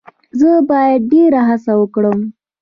زه باید ډیر هڅه وکړم.